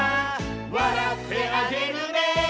「わらってあげるね」